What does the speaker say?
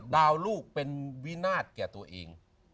ดาวลูกเป็นวินาธิ์แก่ตัวเอง